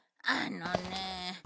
あのね